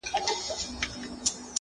بيا تس ته سپكاوى كوي بدرنگه ككــرۍ”